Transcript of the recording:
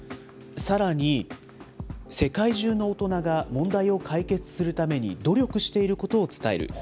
さらに、世界中の大人が問題を解決するために努力していることを伝える。